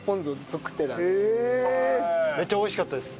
めっちゃ美味しかったです。